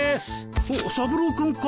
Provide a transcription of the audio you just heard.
おっ三郎君か。